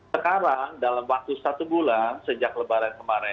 sekarang dalam waktu satu bulan sejak lebaran kemarin